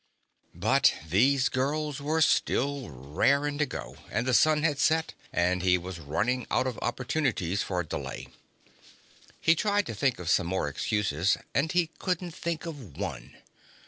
But these girls were still raring to go, and the sun had set, and he was running out of opportunities for delay. He tried to think of some more excuses, and he couldn't think of one.